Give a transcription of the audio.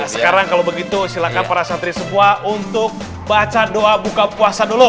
sekarang kalau begitu silakan para santri semua untuk baca doa buka puasa dulu